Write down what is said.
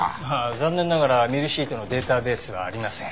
残念ながらミルシートのデータベースはありません。